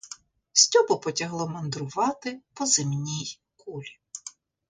Стьопу потягло мандрувати по земній кулі.